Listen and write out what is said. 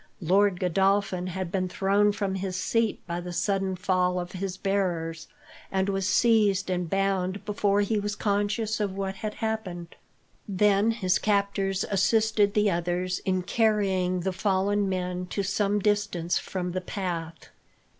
Lord Godolphin had been thrown from his seat by the sudden fall of his bearers, and was seized and bound before he was conscious of what had happened. Then his captors assisted the others in carrying the fallen men to some distance from the path.